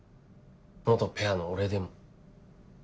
元ペアの俺でも。